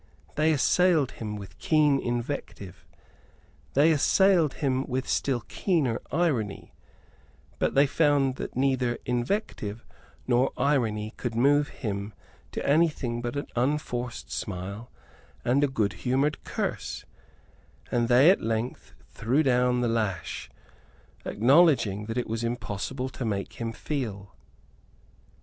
They assailed him with keen invective; they assailed him with still keener irony; but they found that neither invective nor irony could move him to any thing but an unforced smile and a goodhumoured curse; and they at length threw down the lash, acknowledging that it was impossible to make him feel.